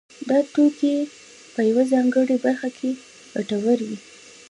دا توکي په یوه ځانګړې برخه کې ګټور وي